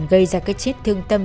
gây ra cái chết thương tâm